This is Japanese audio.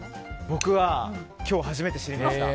僕は今日初めて知りました